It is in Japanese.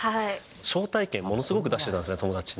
招待券ものすごく出してたんですね、友達に。